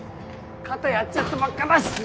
肩やっちゃったばっかだしさ。